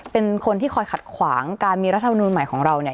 เป็นคนที่คอยขัดขวางการมีรัฐมนูลใหม่ของเราเนี่ย